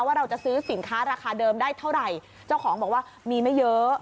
ว่าเราจะซื้อสินค้าราคาเดิมได้เท่าไหร่เจ้าของบอกว่ามีไม่เยอะ